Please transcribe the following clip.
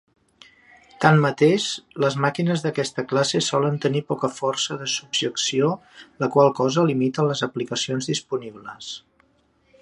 Tanmateix, les màquines d'aquesta classe solen tenir poca força de subjecció, la qual cosa limita les aplicacions disponibles.